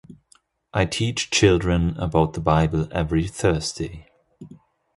I teach children about the bible every Thursday.